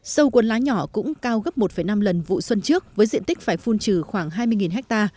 sâu cuốn lá nhỏ cũng cao gấp một năm lần vụ xuân trước với diện tích phải phun trừ khoảng hai mươi ha